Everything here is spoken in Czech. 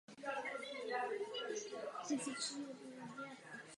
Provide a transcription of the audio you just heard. Svých schopností využil k ochraně oceánů.